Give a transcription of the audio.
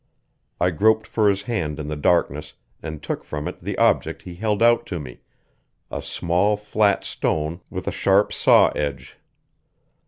I groped for his hand in the darkness and took from it the object he held out to me a small flat stone with a sharp saw edge.